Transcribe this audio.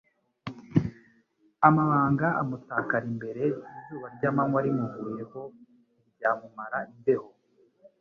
amabango amutakara imbere; izuba ry'amanywa rimuvuyeho ntiryamumara imbeho